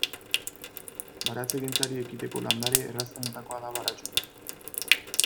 Baratzegintzari ekiteko landare errazenetakoa da baratxuria.